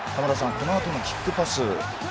このあとのキックパスは？